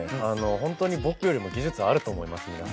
本当に僕よりも技術あると思います皆さん